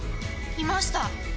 いました。